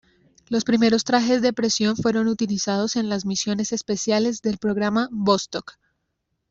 Los primeros trajes de presión fueron utilizados en las misiones espaciales del programa Vostok.